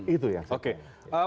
itu yang saya inginkan